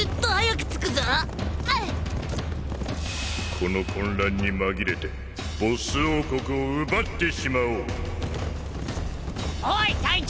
この混乱に紛れてボッス王国を奪ってしまおうおい隊長！